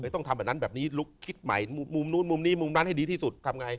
ต้องทำแบบนั้นลุกคิดใหม่มุมนี้ไม่ให้ดีที่สุด